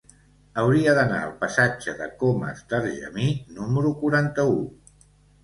Hauria d'anar al passatge de Comas d'Argemí número quaranta-u.